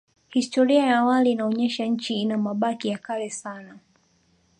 Historia ya awali inaonyesha Nchi ina mabaki ya kale sana